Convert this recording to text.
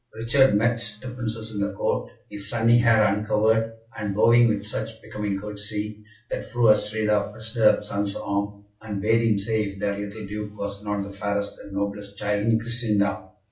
Richard met the Princes in the court, his sunny hair uncovered, and bowing with such becoming courtesy, that Fru Astrida pressed her son's arm, and bade him say if their little Duke was not the fairest and noblest child in Christendom.